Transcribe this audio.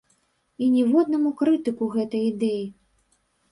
І ніводнаму крытыку гэтай ідэі.